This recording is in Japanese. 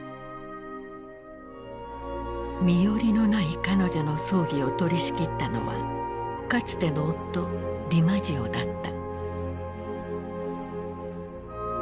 身寄りのない彼女の葬儀を取りしきったのはかつての夫ディマジオだった。